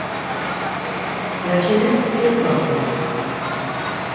Yakinis iqvasinon.